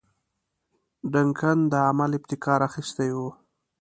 ډنکن د عمل ابتکار اخیستی وو.